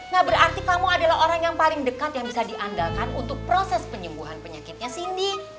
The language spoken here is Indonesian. nah berarti kamu adalah orang yang paling dekat yang bisa diandalkan untuk proses penyembuhan penyakitnya cindy